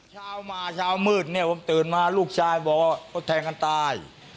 เช้ามาเช้ามืดเนี่ยผมตื่นมาลูกชายบอกว่าเขาแทงกันตาย